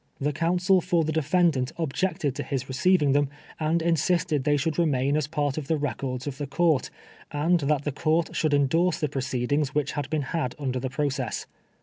The counsel for the defendant objected to his receiving them, and in sisted they should remain as part of the records of the court, and that the court should endorse the proceed ings which had been had under the process.